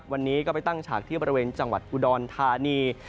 วันนี้ก็ไปตั้งฉากที่บริเวณจังหวัดอุดรธานี